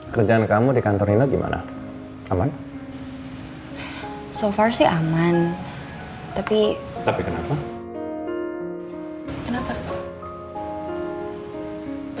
kerjaan kamu di kantor ini gimana aman so far sih aman tapi kenapa